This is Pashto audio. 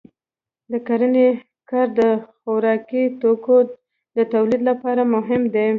د کرنې کار د خوراکي توکو د تولید لپاره مهم دی.